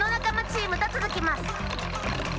チームとつづきます。